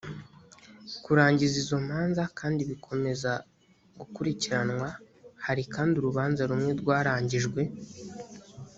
kurangiza izo manza kandi bikomeza gukurikiranwa hari kandi urubanza rumwe rwarangijwe